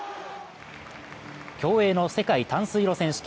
競泳の世界短水路選手権。